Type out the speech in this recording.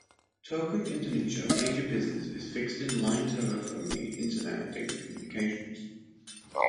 Telkom Indonesia major business is in fixed line telephony, internet and data communications.